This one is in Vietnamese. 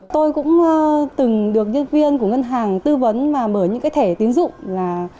tôi cũng từng được nhân viên của ngân hàng tư vấn mở những thẻ tiến dụng